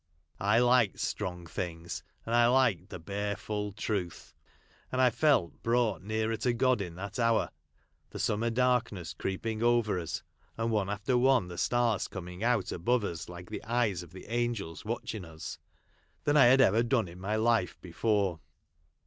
I liked strong things ; and I liked the bare full truth : and I felt brought nearer to God in that hour — the summer darkness creeping over us, and one 332 HOUSEHOLD WORDS. [Conducted by after one the stars coming out above us, like the eyes of the angels watching us — than I had ever done in my life before.